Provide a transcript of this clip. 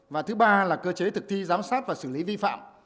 và thứ ba là cơ chế thực thi giám sát và xử lý vi phạm